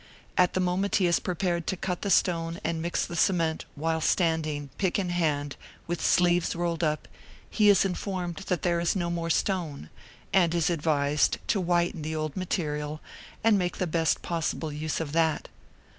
At the moment he has prepared to cut the stone and mix the cement, while standing, pick in hand, with sleeves rolled up, he is informed that there is no more stone, and is advised to whiten the old material and make the best possible use of that.